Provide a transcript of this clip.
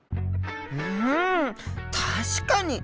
うん確かに。